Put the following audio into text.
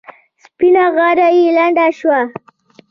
سپینه غاړه یې لنده شوه.